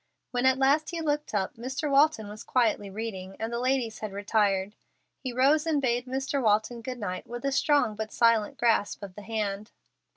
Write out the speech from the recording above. When at last he looked up, Mr. Walton was quietly reading, and the ladies had retired. He rose and bade Mr. Walton good night with a strong but silent grasp of the hand.